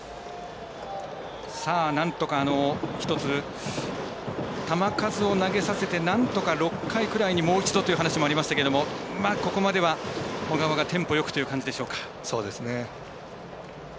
なんとか１つ球数を投げさせてなんとか６回くらいにもう一度という話もありましたがここまでは小川がテンポよくという感じでしょうか。